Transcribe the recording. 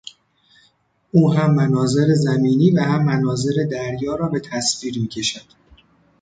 او هم مناظر زمینی و هم مناظر دریا را به تصویر میکشد.